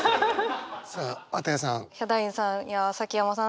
さあ綿矢さん。